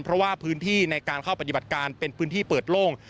เพราะว่าพื้นที่ในการเข้าปฏิบัติการเป็นพื้นที่เปิดโล่ง